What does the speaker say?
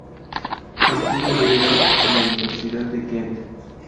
Estudia Bellas Artes en la Universidad de Kent.